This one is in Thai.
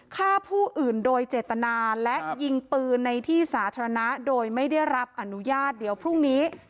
ฆ่าผู้อื่นโดยเจตนาและยิงปืนในที่สาธารณะโดยไม่ได้รับอนุญาตเดี๋ยวพรุ่งนี้